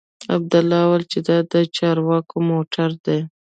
عبدالله وويل چې دا د چارواکو موټرې دي.